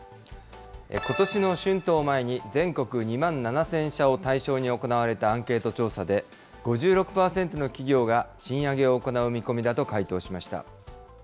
ことしの春闘を前に、全国２万７０００社を対象に行われたアンケート調査で、５６％の企業が賃上げを行う見込みだと回答しました。